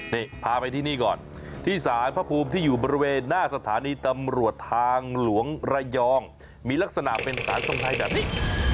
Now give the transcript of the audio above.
นี่พาไปที่นี่ก่อนที่สารพระภูมิที่อยู่บริเวณหน้าสถานีตำรวจทางหลวงระยองมีลักษณะเป็นสารทรงไทยแบบนี้